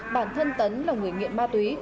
bản thân tấn là người nghiện ma túy